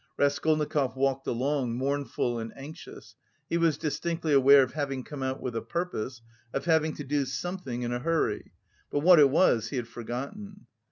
Raskolnikov walked along, mournful and anxious; he was distinctly aware of having come out with a purpose, of having to do something in a hurry, but what it was he had forgotten.